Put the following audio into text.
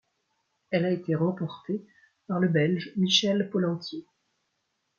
Elle a été remportée par le Belge Michel Pollentier.